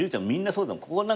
みんなそうだもん。